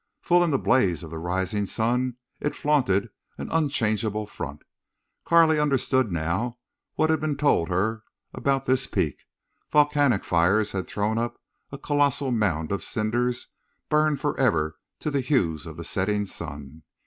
Full in the blaze of the rising sun it flaunted an unchangeable front. Carley understood now what had been told her about this peak. Volcanic fires had thrown up a colossal mound of cinders burned forever to the hues of the setting sun.